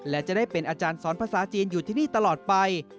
และจะได้เป็นอาจารย์สอนภาษาจีนอยู่ที่นี่ตลอดไป